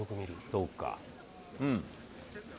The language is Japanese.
そうか。